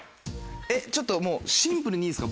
えっちょっともうシンプルにいいですか？